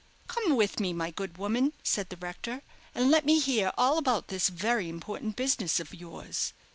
"Come with me, my good woman," said the rector, "and let me hear all about this very important business of yours."